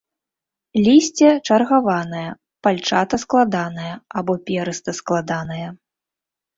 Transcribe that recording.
Лісце чаргаванае, пальчата-складанае або перыста-складанае.